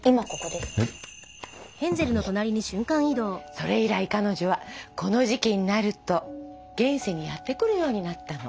それ以来彼女はこの時期になると現世にやって来るようになったの。